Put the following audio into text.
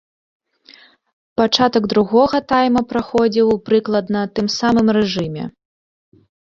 Пачатак другога тайма праходзіў у прыкладна тым самым рэжыме.